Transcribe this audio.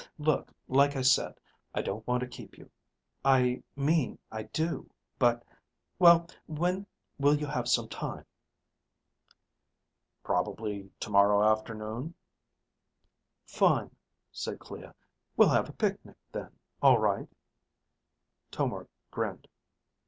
"Look, like I said, I don't want to keep you I mean I do, but. Well, when will you have some time?" "Probably tomorrow afternoon." "Fine," said Clea. "We'll have a picnic then, all right?" Tomar grinned.